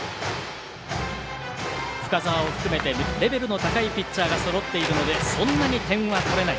深沢を含めてレベルの高いピッチャーがそろっているのでそんなに点は取れない。